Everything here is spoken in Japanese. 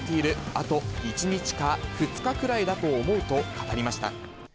あと１日か２日くらいだと思うと語りました。